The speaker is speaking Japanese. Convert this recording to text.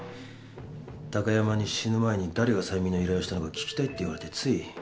貴山に死ぬ前に誰が催眠の依頼をしたのか聞きたいって言われてつい。